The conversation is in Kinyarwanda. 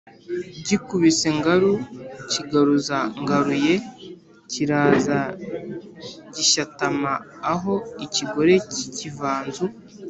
Gikubise ngaru kigaruza Ngaruye kiraza gishyatama aho-Ikigore cy'ikivanzu.